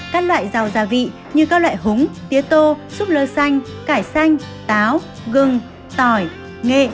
các loại rau gia vị như các loại húng tía tô súp lơ xanh cải xanh táo gừng tỏi nghệ